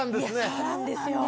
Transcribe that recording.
そうなんですよ。